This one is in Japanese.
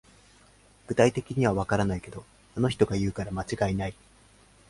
具体的にはわからないけど、あの人が言うから間違いない